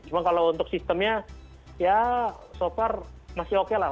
cuma kalau untuk sistemnya ya so far masih oke lah